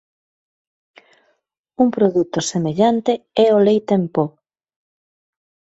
Un produto semellante é o leite en po.